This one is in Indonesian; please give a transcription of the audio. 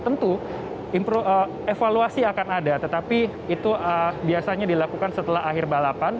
tentu evaluasi akan ada tetapi itu biasanya dilakukan setelah akhir balapan